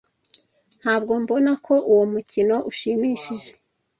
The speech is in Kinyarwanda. Ntabwo mbona ko uwo mukino ushimishije.